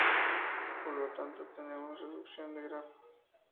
Por lo tanto, tenemos reducción de grafo.